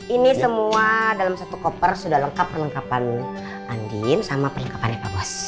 ini semua dalam satu koper sudah lengkap perlengkapan andien sama perlengkapannya pak bos